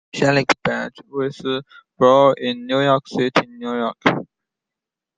Schellenbach was born in New York City, New York.